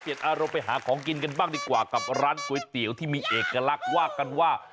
อารมณ์ไปหาของกินกันบ้างดีกว่ากับร้านก๋วยเตี๋ยวที่มีเอกลักษณ์ว่ากันว่า